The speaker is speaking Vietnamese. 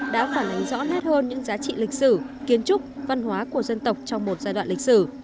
đã phản ánh rõ nét hơn những giá trị lịch sử kiến trúc văn hóa của dân tộc trong một giai đoạn lịch sử